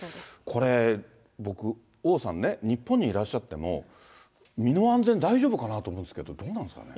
これ、僕、王さんね、日本にいらっしゃっても、身の安全、大丈夫かなと思うんですが、どうなんですかね。